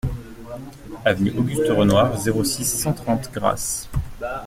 Avenue Auguste Renoir, zéro six, cent trente Grasse